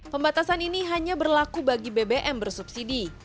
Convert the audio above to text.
pembatasan ini hanya berlaku bagi bbm bersubsidi